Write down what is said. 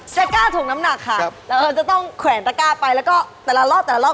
ตะกร้าถุงน้ำหนักค่ะเราจะต้องแขวนตะกร้าไปแล้วก็แต่ละรอบรอบ